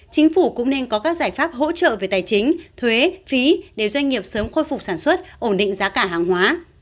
chính phủ cũng nên có các giải pháp hỗ trợ về tài chính thuế phí để doanh nghiệp sớm khôi phục sản xuất ổn định giá cả hàng hóa